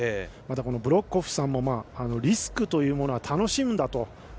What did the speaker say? また、ブロッコフさんもリスクというものは楽しいんだと。